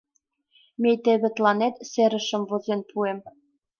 Мый теве тыланет серымашым возен пуэм.